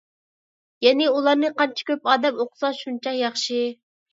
يەنى، ئۇلارنى قانچە كۆپ ئادەم ئوقۇسا شۇنچە ياخشى.